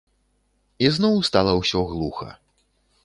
Ізноў стала ўсё глуха.